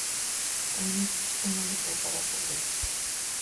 Además el chico no le causaba problemas.